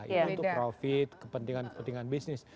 ini untuk profit kepentingan kepentingan bisnis